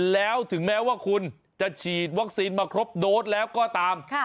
แล้วถึงแม้ว่าคุณจะฉีดวัคซีนมาครบโดสแล้วก็ตาม